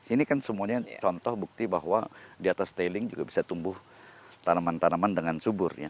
ini kan semuanya contoh bukti bahwa di atas tailing juga bisa tumbuh tanaman tanaman dengan subur ya